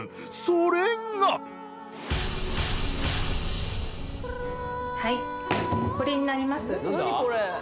それがはいこれになります